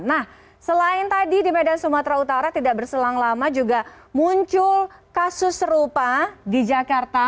nah selain tadi di medan sumatera utara tidak berselang lama juga muncul kasus serupa di jakarta